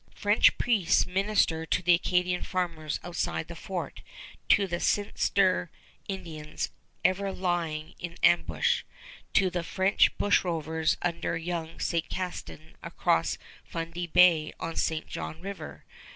French priests minister to the Acadian farmers outside the fort, to the sinister Indians ever lying in ambush, to the French bushrovers under young St. Castin across Fundy Bay on St. John River.